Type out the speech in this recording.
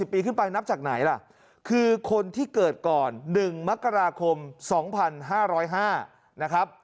ปีขึ้นไปนับจากไหนล่ะคือคนที่เกิดก่อน๑มกราคม๒๕๐๕นะครับ